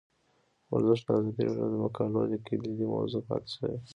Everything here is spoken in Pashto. ورزش د ازادي راډیو د مقالو کلیدي موضوع پاتې شوی.